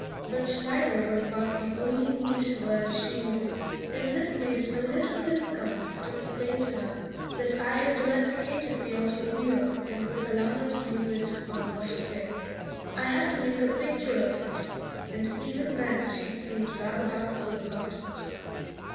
But "Schneider" was about the only English word she knew, and this made it a little difficult to explain to her that I had domesticated the automobile and would allow her to use it on wash day. I had to make a picture of it, and even then she seemed rather doubtful about it.